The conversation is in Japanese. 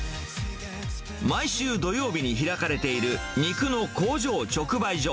毎週土曜日に開かれている肉の工場直売所。